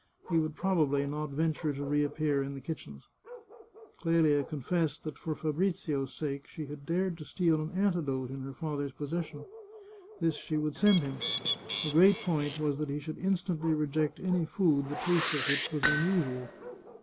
He would probably not venture to reappear in the kitchens. Clelia confessed that for Fabrizio's sake she had dared to steal an antidote in her father's possession ; this she would send him. The great point was that he should instantly reject any food the taste of which was unusual.